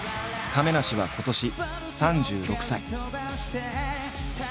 亀梨は今年３６歳。